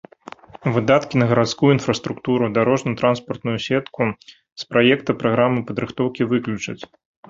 Выдаткі на гарадскую інфраструктуру, дарожна-транспартную сетку з праекта праграмы падрыхтоўкі выключаць.